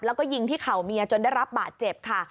แล้วก็ยิงที่เข่าเมียจนได้รับบาดเจ็บค่ะ